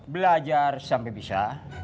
belajar sampai bisa